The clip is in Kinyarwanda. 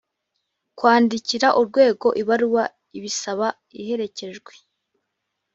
kwandikira urwego ibaruwa ibisaba iherekejwe